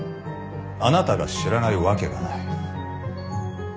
あなたが知らないわけがない。